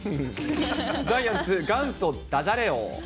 ジャイアンツ元祖ダジャレ王。